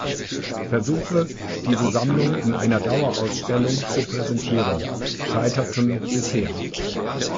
Versuche, diese Sammlung in einer Dauerausstellung zu präsentieren, scheiterten bisher.